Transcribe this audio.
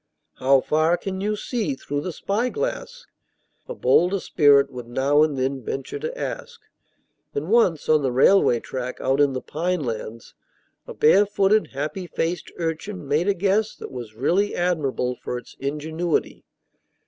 "How far can you see through the spyglass?" a bolder spirit would now and then venture to ask; and once, on the railway track out in the pine lands, a barefooted, happy faced urchin made a guess that was really admirable for its ingenuity.